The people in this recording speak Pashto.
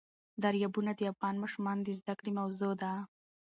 دریابونه د افغان ماشومانو د زده کړې موضوع ده.